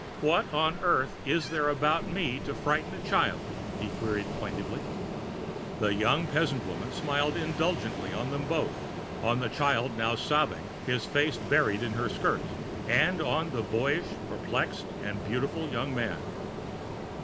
"What on earth is there about me to frighten a child?" he queried plaintively. The young peasant woman smiled indulgently on them both, on the child now sobbing, his face buried in her skirt, and on the boyish, perplexed, and beautiful young man.